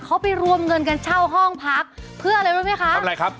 เขาไปรวมเงินกันเช่าห้องพักเพื่ออะไรรู้ไหมคะทำอะไรครับ